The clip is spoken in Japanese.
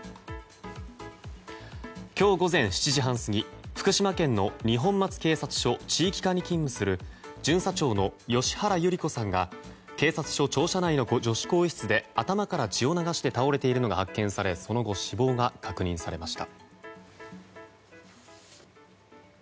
今日午前７時半過ぎ福島県の二本松警察署地域課に勤務する巡査長の吉原有里子さんが警察署庁舎内の女子更衣室で頭から血を流して倒れているのが発見されその後、死亡が確認されました。